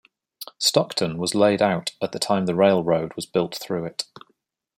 Stockton was laid out at the time the railroad was built through it.